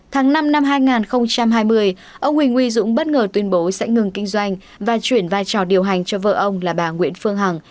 tháng năm năm hai nghìn hai mươi ông huỳnh uy dũng bất ngờ tuyên bố sẽ ngừng kinh doanh và chuyển vai trò điều hành cho vợ ông là bà nguyễn phương hằng